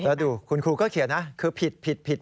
แล้วดูคุณครูก็เขียนนะคือผิดผิด